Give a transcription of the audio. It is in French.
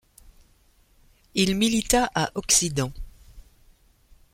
Il milita à Occident.